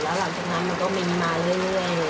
หลังจากนั้นก็มิ่งมาเรื่อย